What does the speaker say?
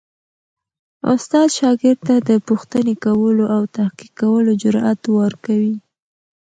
استاد شاګرد ته د پوښتنې کولو او تحقیق کولو جرئت ورکوي.